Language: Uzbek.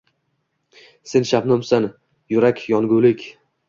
Sen shabnamsan, yurak yongulik